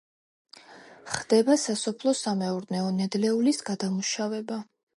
ხდება სასოფლო-სამეურნეო ნედლეულის გადამუშავება.